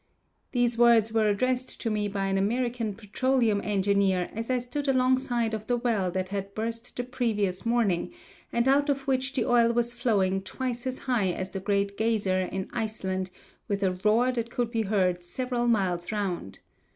These words were addressed to me by an American petroleum engineer as I stood alongside of the well that had burst the previous morning and out of which the oil was flowing twice as high as the Great Geyser in Iceland with a roar that could be heard several miles round.